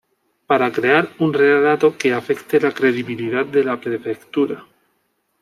Para crear un relato que afecte la credibilidad de la Prefectura.